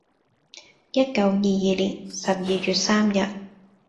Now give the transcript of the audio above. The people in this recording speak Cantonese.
一九二二年十二月三日，